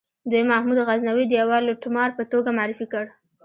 دوی محمود غزنوي د یوه لوټمار په توګه معرفي کړ.